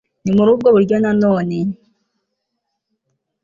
ni muri ubwo buryo na none